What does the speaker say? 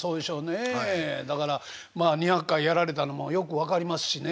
だから２００回やられたのもよく分かりますしね。